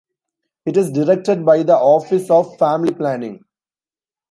It is directed by the Office of Family Planning.